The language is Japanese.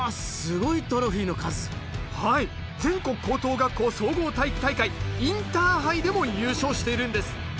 すごいトロフィーの数はい全国高等学校総合体育大会インターハイでも優勝しているんです